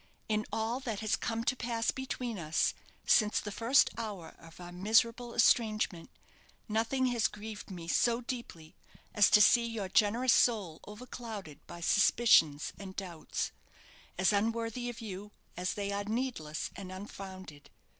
In all that has come to pass between us since the first hour of our miserable estrangement, nothing has grieved me so deeply as to see your generous soul overclouded by suspicions and doubts, as unworthy of you as they are needless and unfounded.